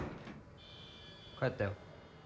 帰ったよ。